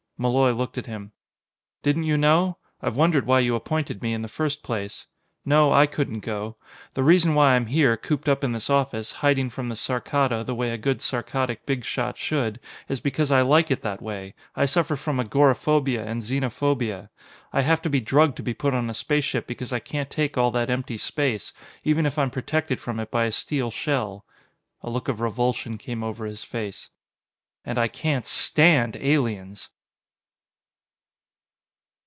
Malloy looked at him. "Didn't you know? I wondered why you appointed me, in the first place. No, I couldn't go. The reason why I'm here, cooped up in this office, hiding from the Saarkkada the way a good Saarkkadic bigshot should, is because I like it that way. I suffer from agoraphobia and xenophobia. "I have to be drugged to be put on a spaceship because I can't take all that empty space, even if I'm protected from it by a steel shell." A look of revulsion came over his face. "And I can't stand aliens!"